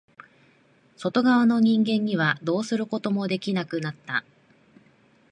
外側の人間にはどうすることもできなくなった。